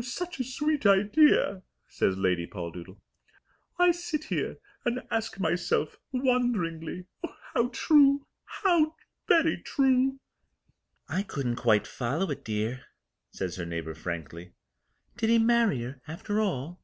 "Such a sweet idea," says Lady Poldoodle. "I sit here and ask myself wonderingly! How true! How very true!" "I couldn't quite follow it, dear," says her neighbour frankly. "Did he marry her after all?"